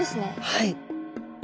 はい。